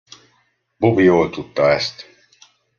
Bobby jól tudta ezt.